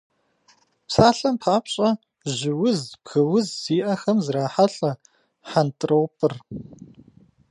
Псалъэм папщӏэ, жьы уз, бгы уз зиӏэхэм зрахьэлӏэ хьэнтӏропӏыр.